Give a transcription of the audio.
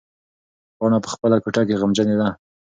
پاڼه په خپله کوټه کې غمجنېده.